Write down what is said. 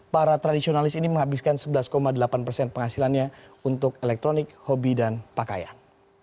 para tradisionalis ini menghabiskan sebelas delapan persen penghasilannya untuk elektronik hobi dan pakaian